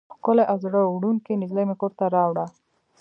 ښکلې او زړه وړونکې نجلۍ مې کور ته راوړه.